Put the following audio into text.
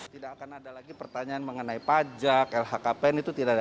tidak akan ada lagi pertanyaan mengenai pajak lhkpn itu tidak ada